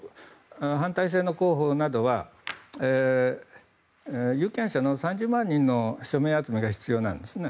反体制派の候補などは有権者の３０万人の署名集めが必要なんですね。